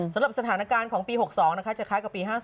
สำหรับสถานการณ์ของปี๖๒นะคะจะคล้ายกับปี๕๔